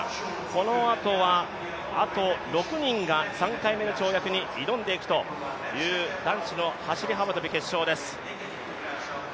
このあとは６人が３回目の跳躍に挑んでいく男子走幅跳決勝です。